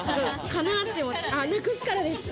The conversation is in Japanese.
なくすからですか？